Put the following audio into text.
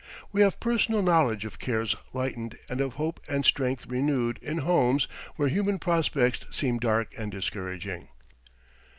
We have personal knowledge of cares lightened and of hope and strength renewed in homes where human prospects seemed dark and discouraging.